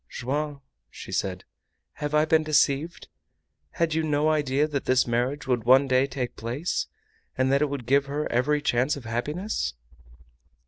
"Joam," she said, "have I been deceived? Had you no idea that this marriage would one day take place, and that it would give her every chance of happiness?"